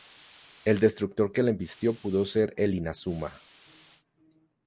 El destructor que le embistió pudo ser el "Inazuma"